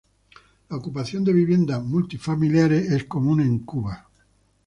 La ocupación de viviendas multifamiliares es común en Cuba.